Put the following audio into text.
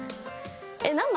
えっ何枚？